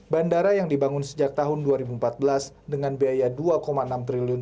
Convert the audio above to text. bandara yang dibangun sejak tahun dua ribu empat belas dengan biaya rp dua enam triliun